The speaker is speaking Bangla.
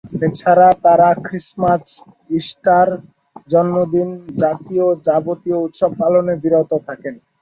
এছাড়া তারা ক্রিসমাস, ইস্টার, জন্মদিন জাতীয় যাবতীয় উৎসব পালনে বিরত থাকেন।